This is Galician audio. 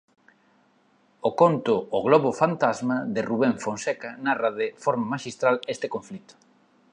O conto "O Globo Fantasma" de Rubem Fonseca narra de forma maxistral este conflito.